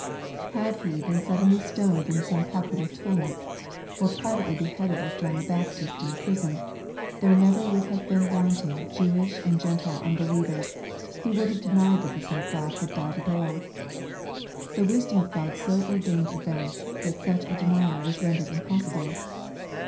Had He been suddenly stoned in some popular tumult, — or privately beheaded like John the Baptist in prison, there never would have been wanting Jewish and Gentile unbeliever, who would have denied that the Son of God had died at all. The wisdom of God so ordered events that such a denial was rendered impossible.